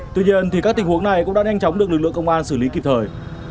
tuy nhiên các tình huống này cũng đã nhanh chóng được lực lượng công an xử lý kịp thời